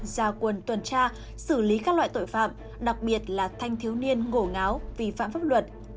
gia quân tuần tra xử lý các loại tội phạm đặc biệt là thanh thiếu niên ngổ ngáo vi phạm pháp luật